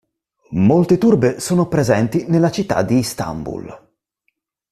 Molte turbe sono presenti nella città di Istanbul.